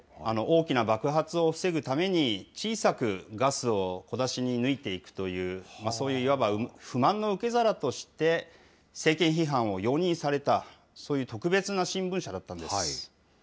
大きな爆発を防ぐために、小さくガスを小出しに抜いていくという、そういういわば不満の受け皿として、政権批判を容認された、そういう特別な新聞社だったんです。